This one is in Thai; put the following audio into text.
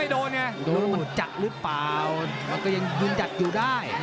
โดนมันจัดหรือเปล่ายังจัดอยู่ได้